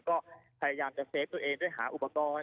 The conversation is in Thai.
ก็พยายามจะเฟฟตัวเองด้วยหาอุปกรณ์